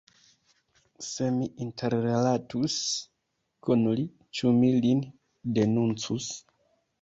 Se mi interrilatus kun li, ĉu mi lin denuncus?